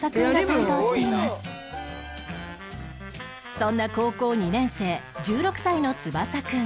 そんな高校２年生１６歳の翼くん